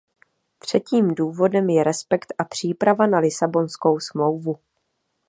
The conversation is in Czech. Třetím důvodem je respekt a příprava na Lisabonskou smlouvu.